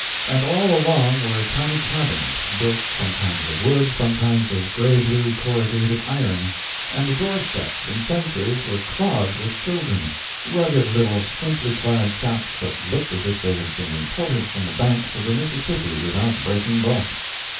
And all along were tiny cabins, built sometimes of wood, sometimes of gray blue corrugated iron; and the doorsteps and fences were clogged with children rugged little simply clad chaps that looked as if they had been imported from the banks of the Mississippi without breaking bulk.